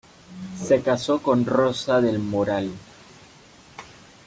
Se casó con Rosa del Moral.